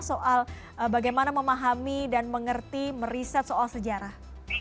soal bagaimana memahami dan mengerti meriset soal sejarah